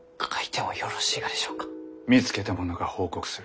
見つけた者が報告する。